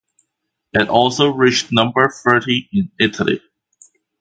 It also reached number thirty in Italy.